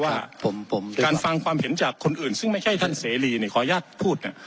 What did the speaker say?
ว่าผมการฟังความเห็นจากคนอื่นซึ่งไม่ใช่ท่านเสรีเนี่ยขออนุญาตพูดนะ